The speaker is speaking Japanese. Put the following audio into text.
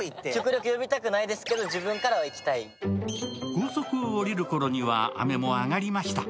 高速を降りるころには雨も上がりました。